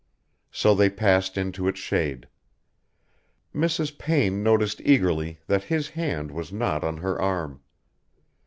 So they passed into its shade. Mrs. Payne noticed eagerly that his hand was not on her arm.